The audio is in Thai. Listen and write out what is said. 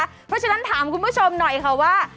เพราะฉะนั้นถามคุณผู้ชมหน่อยค่ะว่า